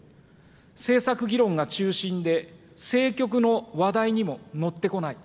政策議論が中心で、政局の話題にも乗ってこない。